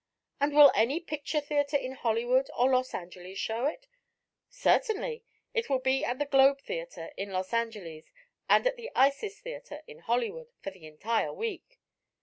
"And will any picture theatre in Hollywood or Los Angeles show it?" "Certainly. It will be at the Globe Theatre in Los Angeles and at the Isis Theatre in Hollywood, for the entire week."